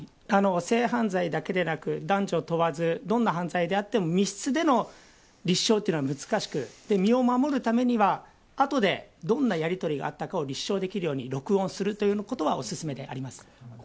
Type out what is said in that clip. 性犯罪だけでなく男女問わずどんな犯罪であっても密室での立証というのは難しく、身を守るためにはあとで、どんなやり取りがあったかを立証できるように録音するということはオススメであります。